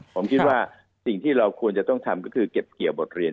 ผมคิดว่าสิ่งที่เราควรจะต้องทำก็คือเก็บเกี่ยวบทเรียน